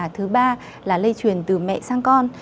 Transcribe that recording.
thứ ba là lây truyền từ mẹ sang con